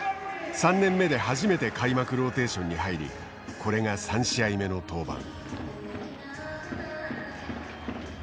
３年目で初めて開幕ローテーションに入りこれが３試合目の登板。